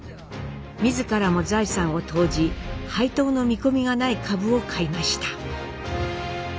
自らも財産を投じ配当の見込みがない株を買いました。